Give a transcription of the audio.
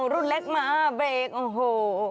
รุ่นเล็กมาเบรกโอ้โห